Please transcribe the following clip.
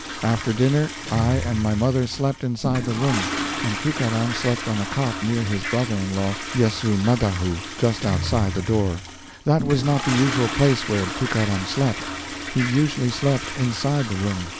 After dinner I and my mother slept inside the room, and Tookaram slept on a cot near his brother in law, Yessoo Mahadhoo, just outside the door. That was not the usual place where Tookaram slept. He usually slept inside the room.